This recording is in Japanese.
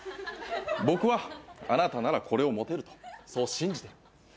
僕はあなたならこれを持てるとそう信じてる。